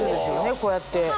こうやって。